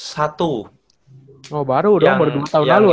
oh baru dong baru dua tahun lalu ya